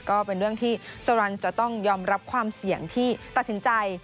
ก็เป็นเรื่องที่โซรันจะต้องยอมรับความเสี่ยงที่ตัดสินใจ